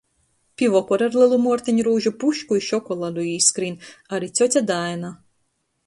Pi vokora ar lelu muorteņrūžu pušku i šokoladu īskrīn ari cjoce Daina.